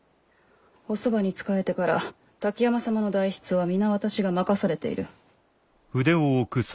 おそばに仕えてから滝山様の代筆は皆私が任されている。